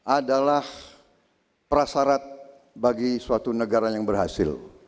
adalah prasarat bagi suatu negara yang berhasil